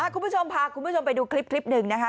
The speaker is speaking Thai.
คุณผู้ชมพาคุณผู้ชมไปดูคลิปหนึ่งนะคะ